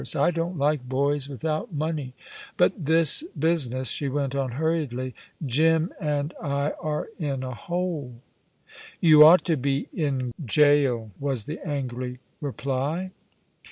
I don't like boys without money. But this business," she went on hurriedly. "Jim and I are in a hole." "You ought to be in gaol," was the angry reply.